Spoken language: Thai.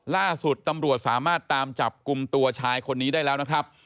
ล่าสุดตำรวจสามารถตามจับกลุ่มตัวชายคนนี้ได้แล้วนะครับ